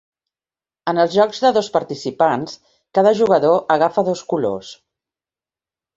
En els jocs de dos participants, cada jugador agafa dos colors.